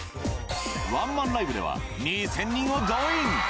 ワンマンライブでは２０００人を動員。